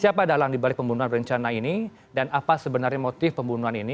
siapa adalah angdi balik pembunuhan rencana ini dan apa sebenarnya motif pembunuhan ini